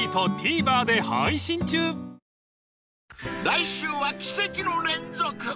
［来週は奇跡の連続］